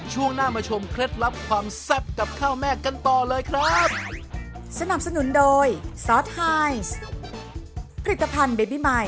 ช่วงหน้ามาชมเคล็ดลับความแซ่บกับข้าวแม่กันต่อเลยครับ